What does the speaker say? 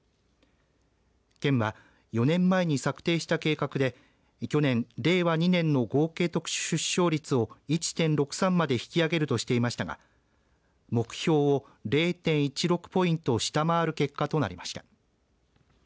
県は４年前に策定した計画で去年、令和２年の合計特殊出生率を１．６３までに引き上げるとしていましたが目標を０．１６ポイント下回る結果となりました。